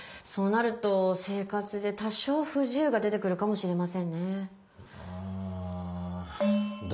そうなると生活で多少不自由が出てくるかもしれませんね。